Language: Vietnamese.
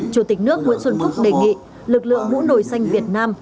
chủ tịch nước nguyễn xuân phúc đề nghị lực lượng mũ nổi xanh việt nam